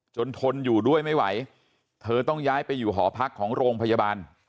ทนอยู่ด้วยไม่ไหวเธอต้องย้ายไปอยู่หอพักของโรงพยาบาล